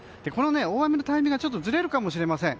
大雨のタイミングがちょっとずれるかもしれません。